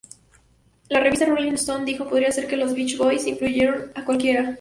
La revista "Rolling Stone" dijo: "Podría ser que los Beach Boys influenciaron a cualquiera".